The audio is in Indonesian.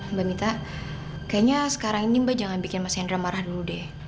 mbak mita kayaknya sekarang ini mbak jangan bikin mas hendra marah dulu deh